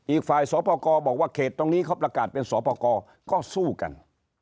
อีกฝ่ายสปกรบอกว่าเขตตรงนี้เขาประกาศเป็นสอปกรก็สู้กัน